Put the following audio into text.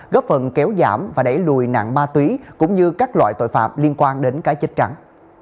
góp phần kéo giảm và đẩy lùi nạn ma túy cũng như các loại tội phạm liên quan đến cá chết trắng